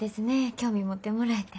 興味持ってもらえて。